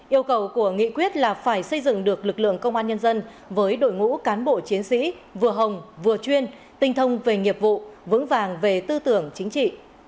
yêu cầu của nghị quyết là phải xây dựng được lực lượng công an nhân dân với đội ngũ cán bộ chiến sĩ vừa hồng vừa chuyên tinh thông về nghiệp vụ vững vàng về tư tưởng chính trị